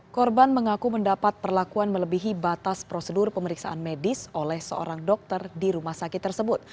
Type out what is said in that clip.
korban mengaku mendapat perlakuan melebihi batas prosedur pemeriksaan medis oleh seorang dokter di rumah sakit tersebut